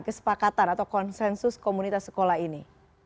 kesepakatan atau konsensus komunitas sekolah ini